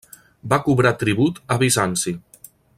Va cobrar tribut a Bizanci.